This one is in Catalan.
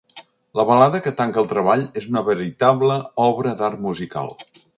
La balada que tanca el treball és una veritable obra d'art musical.